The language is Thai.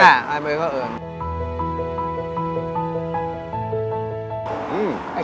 ไม่เหมือนกับอื่น